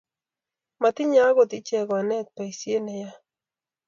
Matinye akot ichek konetik boisie ne yoe